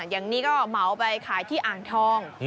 อย่างนี้ก็เหมาไปขายที่อ่างทอง